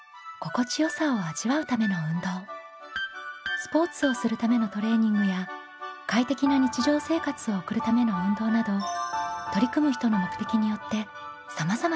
スポーツをするためのトレーニングや快適な日常生活を送るための運動など取り組む人の目的によってさまざまな運動があります。